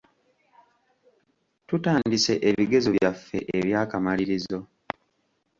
Tutandise ebigezo byaffe eby'akamalirizo.